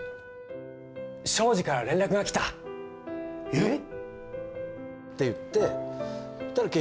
えっ！？